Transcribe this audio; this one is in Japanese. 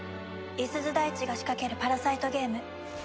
五十鈴大智が仕掛けるパラサイトゲーム。